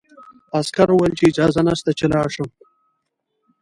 عسکر وویل چې اجازه نشته چې لاړ شم.